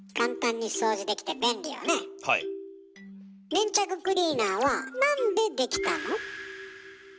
粘着クリーナーはなんでできたの？